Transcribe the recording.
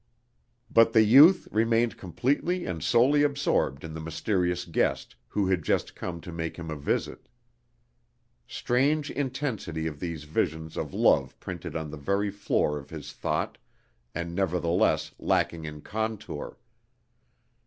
But the youth remained completely and solely absorbed in the mysterious guest who had just come to make him a visit. Strange intensity of these visions of love printed on the very floor of his thought and nevertheless lacking in contour!